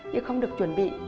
nhưng không được chuẩn bị